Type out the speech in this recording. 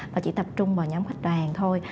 và chỉ tập trung vào nhóm khách đoàn thôi